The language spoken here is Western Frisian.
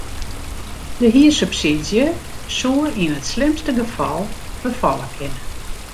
De hiersubsydzje soe yn it slimste gefal ferfalle kinne.